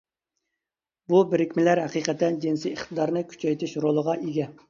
بۇ بىرىكمىلەر ھەقىقەتەن جىنسىي ئىقتىدارنى كۈچەيتىش رولىغا ئىگە.